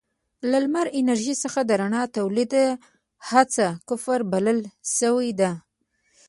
له لمر انرژۍ څخه د رڼا تولید هڅه کفر بلل شوې ده.